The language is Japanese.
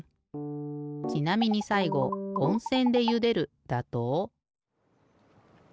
ちなみにさいごおんせんでゆでるだと。